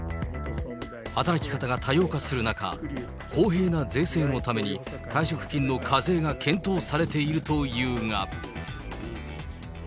働き方が多様化する中、公平な税制のために、退職金の課税が検討されているというが。